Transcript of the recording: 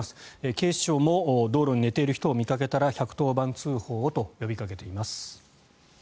警視庁も道路で寝ている人を見かけたら１１０番通報をと呼びかけています。